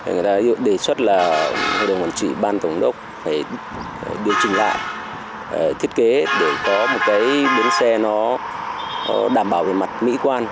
người ta đề xuất là hội đồng quản trị ban tổng đốc phải điều chỉnh lại thiết kế để có một bến xe đảm bảo về mặt mỹ quan